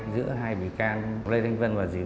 giữa hai bị can lê thanh vân và dì